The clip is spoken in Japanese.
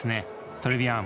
トレビアン！